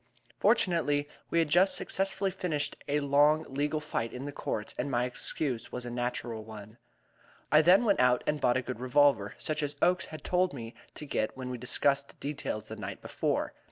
Fortunately, we had just successfully finished a long legal fight in the courts, and my excuse was a natural one. I then went out and bought a good revolver, such as Oakes had told me to get when we discussed details the night before.